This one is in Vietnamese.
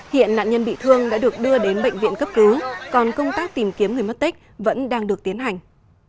hiện nạn nhân bị thương đã được đưa đến bệnh viện cấp cứu còn công tác tìm kiếm người mất tích vẫn đang được tiến hành